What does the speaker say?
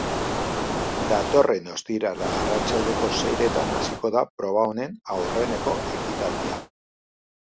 Datorren ostiral arratsaldeko seiretan hasiko da proba honen aurreneko ekitaldia.